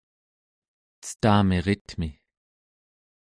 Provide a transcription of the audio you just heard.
cetamiritmi